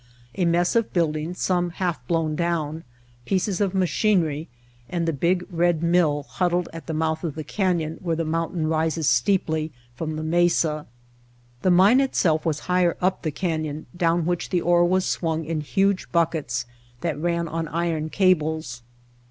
A mess of buildings, some half blown down, pieces of machinery and the big red mill [lOl] White Heart of Mojave huddled at the mouth of the canyon where the mountain rises steeply from the mesa. The mine itself was higher up the canyon down which the ore was swung in huge buckets that ran on iron cables.